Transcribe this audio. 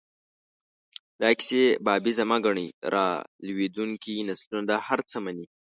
دا کیسې بابیزه مه ګڼئ، را لویېدونکي نسلونه دا هر څه مني.